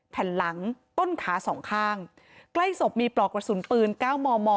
แผ่นหลังต้นขาสองข้างใกล้ศพมีปลอกกระสุนปืนเก้ามอมอ